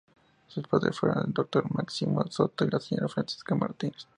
Sus padres fueron: el doctor Máximo Soto y la señora Francisca Martínez.